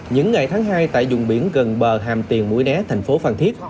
những ngày tháng hai tại dùng biển gần bờ hàm tiền mũi đé thành phố phan thiết